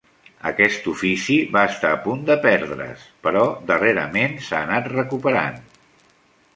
Aquest ofici va estar a punt de perdre's, però darrerament s'ha anat recuperant.